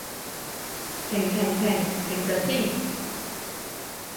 停停停！停陣先